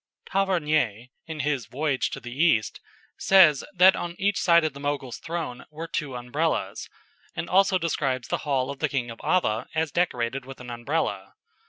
Tavernier, in his "Voyage to the East," says that on each side of the Mogul's throne were two Umbrellas, and also describes the hall of the King of Ava as decorated with an Umbrella.